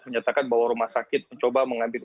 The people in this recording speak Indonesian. menyatakan bahwa rumah sakit mencoba mengambil